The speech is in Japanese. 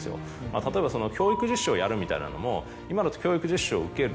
例えば教育実習をやるみたいなのも今だと教育実習を受ける。